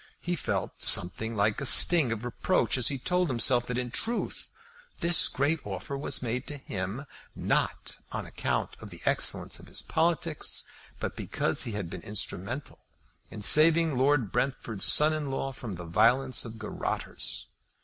He felt something like a sting of reproach as he told himself that in truth this great offer was made to him, not on account of the excellence of his politics, but because he had been instrumental in saving Lord Brentford's son in law from the violence of garrotters.